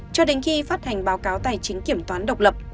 cho đến khi phát hành báo cáo tài chính kiểm toán độc lập